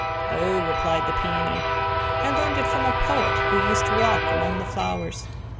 "Oh," replied the Peony. "I learned it from a poet who used to walk among the flowers.